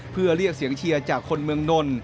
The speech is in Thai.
เพื่อเรียกเสียงเชียร์จากคนเมืองนน